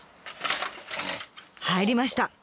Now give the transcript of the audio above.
入りました！